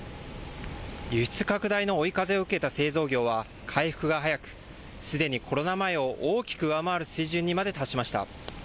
輸出拡大の追い風を受けた製造業は回復が早く、すでにコロナ前を大きく上回る水準にまで達しました。